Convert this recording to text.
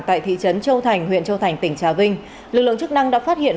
tại thị trấn châu thành huyện châu thành tỉnh trà vinh lực lượng chức năng đã phát hiện